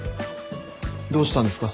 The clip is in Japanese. どうしたんですか？